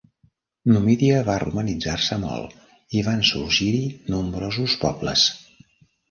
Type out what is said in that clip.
Numidia va romanitzar-se molt i van sorgir-hi nombrosos pobles.